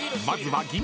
［まずは］